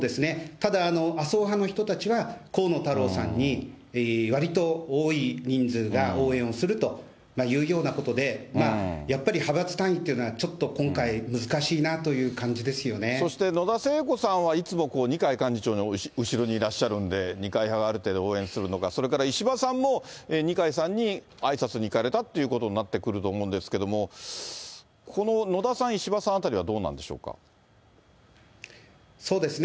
ただ、麻生派の人たちは、河野太郎さんにわりと多い人数が、応援をするというようなことで、やっぱり派閥単位っていうのは、ちょっと今回、そして野田聖子さんは、いつも二階幹事長の後ろにいらっしゃるんで、二階派がある程度、応援するのか、それから石破さんも二階さんにあいさつに行かれたってことになってくると思うんですけれども、この野田さん、石破さんあたりはどそうですね。